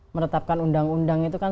menetapkan undang undang itu kan